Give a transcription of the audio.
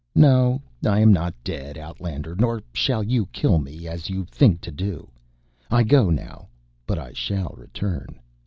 "No, I am not dead, Outlander nor shall you kill me, as you think to do. I go now, but I shall return.